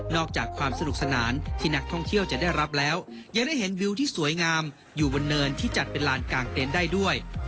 อกจากความสนุกสนานที่นักท่องเที่ยวจะได้รับแล้วยังได้เห็นวิวที่สวยงามอยู่บนเนินที่จัดเป็นลานกลางเต็นต์ได้ด้วย